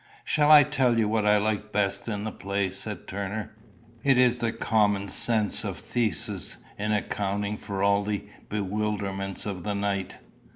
"Shall I tell you what I like best in the play?" said Turner. "It is the common sense of Theseus in accounting for all the bewilderments of the night."